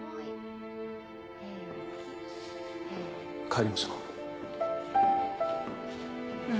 帰りましょう。